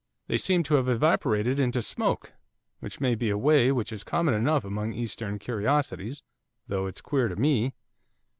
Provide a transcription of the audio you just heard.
They seem to have evaporated into smoke, which may be a way which is common enough among Eastern curiosities, though it's queer to me.